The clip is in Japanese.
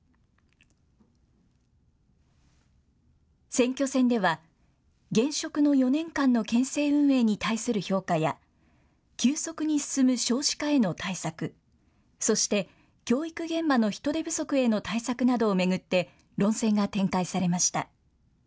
選挙戦では、現職の４年間の県政運営に対する評価や、急速に進む少子化への対策、そして教育現場の人手不足への対策などを巡って、論戦が展開されました。